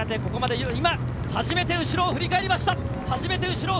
今、初めて後ろを振り返りました。